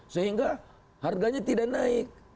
sehingga harganya tidak naik